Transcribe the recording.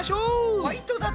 ファイトだぜ！